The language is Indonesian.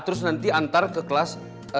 terus nanti antar ke kelas enam belas